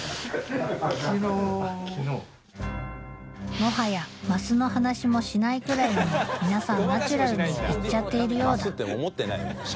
もはや鱒の話もしないぐらいに皆さんナチュラルにいっちゃっているようだ